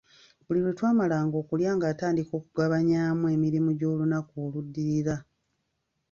Buli lwetwamalanga okulya nga atandika okugabanyaamu emirimu gy'olunaku oluddirira.